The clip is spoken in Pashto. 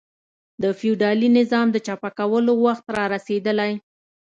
د فیوډالي نظام د چپه کولو وخت را رسېدلی.